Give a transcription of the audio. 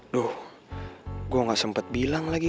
duh gue gak sempet bilang lagi